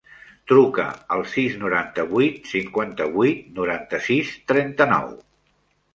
Truca al sis, noranta-vuit, cinquanta-vuit, noranta-sis, trenta-nou.